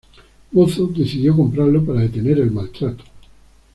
Mozo decidió comprarlo para detener el maltrato.